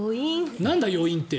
なんだ余韻って。